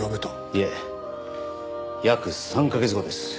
いえ約３カ月後です。